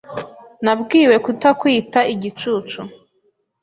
Nabwiwe kutakwita igicucu